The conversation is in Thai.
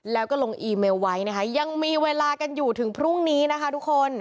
แล้วก็ลงอีเมลไว้นะคะยังมีเวลากันอยู่ถึงพรุ่งนี้นะคะทุกคน